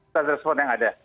stats respons yang ada